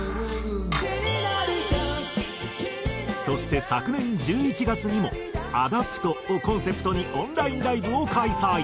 そして昨年１１月にも「アダプト」をコンセプトにオンラインライブを開催。